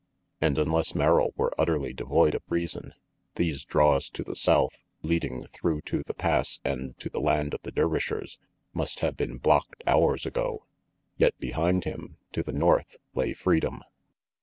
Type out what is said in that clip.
And, unless Merrill were utterly devoid of reason, these draws to the south, leading through to the Pass and to the land of the Dervishers, must have been blocked hours ago yet behind him, to the north, lay freedom.